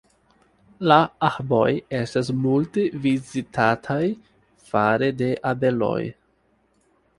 La arboj estas multe vizitataj fare de abeloj.